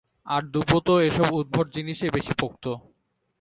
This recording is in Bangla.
আর দুপোঁ তো এসব উদ্ভট জিনিসেই বেশি পোক্ত।